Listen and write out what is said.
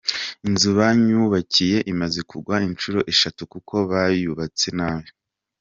Inzu banyubakiye imaze kugwa inshuro eshatu, kuko bayubatse nabi.